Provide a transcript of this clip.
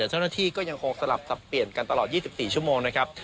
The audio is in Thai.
เจ้าหน้าที่ก็ยังคงสลับสับเปลี่ยนกันตลอด๒๔ชั่วโมงนะครับ